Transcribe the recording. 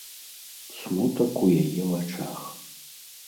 Смутак у яе вачах.